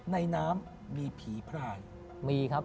ในน้ำมีผีพลาย